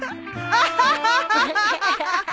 アハハハ。